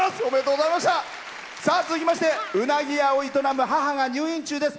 続きましてうなぎ屋を営む母が入院中です。